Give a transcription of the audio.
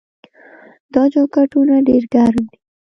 دا جاکټونه ډیر ګرم دي.